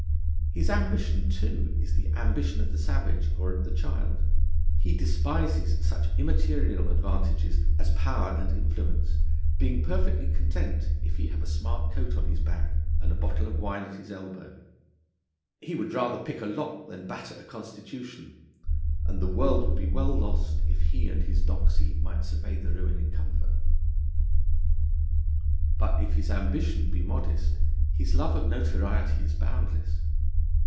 His ambition, too, is the ambition of the savage or of the child; he despises such immaterial advantages as power and influence, being perfectly content if he have a smart coat on his back and a bottle of wine at his elbow. He would rather pick a lock than batter a constitution, and the world would be well lost, if he and his doxy might survey the ruin in comfort. But if his ambition be modest, his love of notoriety is boundless.